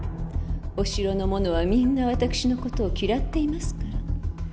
お城の者はみんな私の事を嫌っていますから。